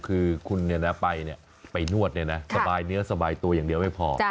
คือคุณไปนวดสบายเนื้อสบายตัวอย่างเดียวไม่พอ